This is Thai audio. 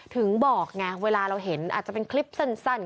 ถึงบอกไงเวลาเราเห็นอาจจะเป็นคลิปสั้น